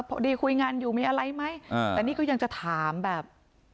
พอดีคุยงานอยู่มีอะไรไหมแต่นี่ก็ยังจะถามแบบ